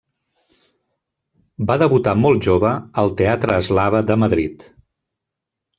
Va debutar molt jove al teatre Eslava de Madrid.